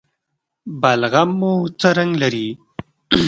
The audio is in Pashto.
بلغم مو څه رنګ لري؟